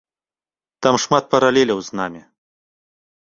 Там шмат паралеляў з намі.